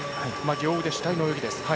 両腕主体の動きです。